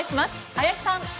林さん。